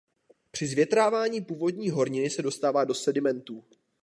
Při zvětrávání původní horniny se dostává do sedimentů.